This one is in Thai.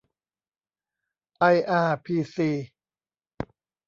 ไออาร์พีซี